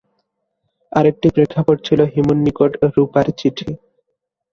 আরেকটি প্রেক্ষাপট ছিলো হিমুর নিকট রুপার চিঠি।